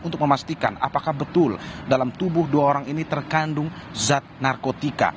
untuk memastikan apakah betul dalam tubuh dua orang ini terkandung zat narkotika